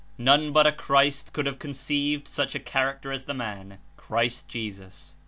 None but a Christ could have con ceived such a character as the man, Christ Jesus.